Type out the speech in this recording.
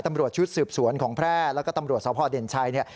ตำรวจชุดสืบสวนของแพร่แล้วก็ตำรวจสพเด่นชัยเนี่ย